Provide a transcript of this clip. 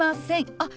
あっ。